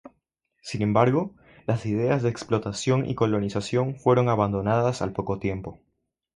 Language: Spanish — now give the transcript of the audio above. Sin embargo, las ideas de explotación y colonización fueron abandonadas al poco tiempo.